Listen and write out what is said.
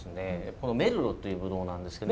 このメルローというぶどうなんですけど。